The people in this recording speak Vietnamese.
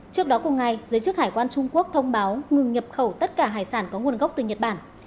trước đó cùng ngày giới chức hải quan trung quốc thông báo ngừng nhập khẩu tất cả hải sản có nguồn gốc từ nhật bản